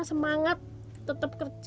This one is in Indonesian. jika anda ingin menjaga kerja